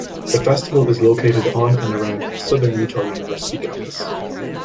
The Festival is located on and around the Southern Utah University campus.